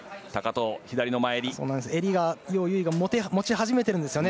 襟がヨウ・ユウイが持ち始めているんですね